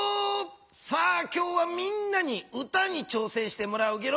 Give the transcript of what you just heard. さあ今日はみんなに歌にちょうせんしてもらうゲロ。